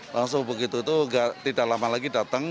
langsung begitu itu tidak lama lagi datang